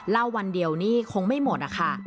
วันเดียวนี่คงไม่หมดนะคะ